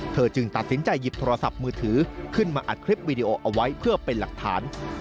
จึงตัดสินใจหยิบโทรศัพท์มือถือขึ้นมาอัดคลิปวีดีโอเอาไว้เพื่อเป็นหลักฐาน